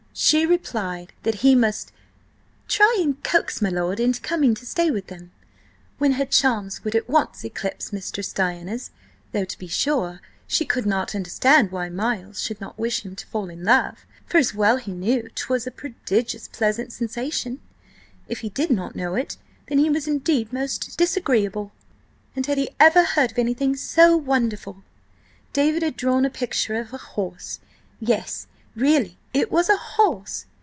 She replied that he must try and coax my lord into coming to stay with them, when her charms would at once eclipse Mistress Diana's, though to be sure, she could not understand why Miles should not wish him to fall in love, for as he well knew, 'twas a prodigious pleasant sensation. If he did not know it, then he was indeed most disagreeable. And had he ever heard of anything so wonderful?–David had drawn a picture of a horse! Yes, really, it was a horse!